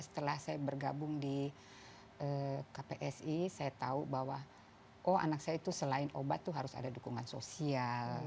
setelah saya bergabung di kpsi saya tahu bahwa oh anak saya itu selain obat itu harus ada dukungan sosial